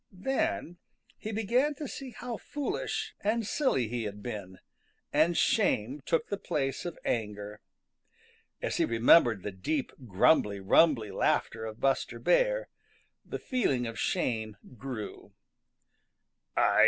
Then he began to see how foolish and silly he had been, and shame took the place of anger. As he remembered the deep, grumbly rumbly laughter of Buster Bear, the feeling of shame grew.